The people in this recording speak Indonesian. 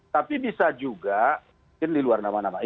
tapi bisa juga mungkin di luar nama nama ini